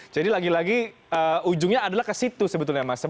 jadi lagi lagi ujungnya adalah ke situ sebetulnya mas